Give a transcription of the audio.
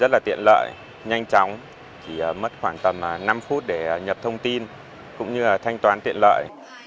rất là tiện lợi nhanh chóng chỉ mất khoảng tầm năm phút để nhập thông tin cũng như là thanh toán tiện lợi